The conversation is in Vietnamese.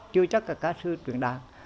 chưa chắc là ca sư truyền đạt